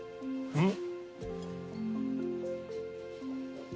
うん。